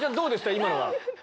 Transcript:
今のは。